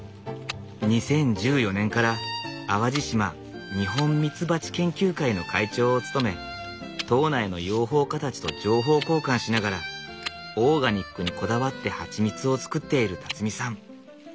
２０１４年から淡路島日本蜜蜂研究会の会長を務め島内の養蜂家たちと情報交換しながらオーガニックにこだわってハチミツを作っているさん。